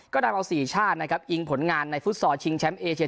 ก็นำเอา๔ชาตินะครับอิงผลงานในฟุตซอลชิงแชมป์เอเชีย